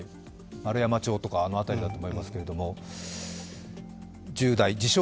円山町とか、あの辺りだと思いますけれども、自称・